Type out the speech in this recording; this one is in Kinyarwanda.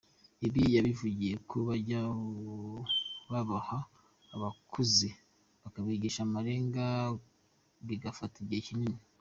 Ibi yabivugiye ko bajya babaha abakuze, kubigisha amarenga bigafata igihe kinini.